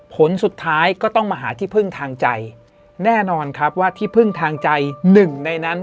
ผลสุดท้ายก็ต้องมาหาที่พึ่งทางใจแน่นอนครับว่าที่พึ่งทางใจหนึ่งในนั้น